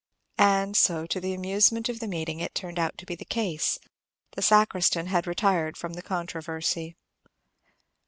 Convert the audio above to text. And so, to the amusement of the meeting, it turned out to be the case; the sacristan had retired from the controversy.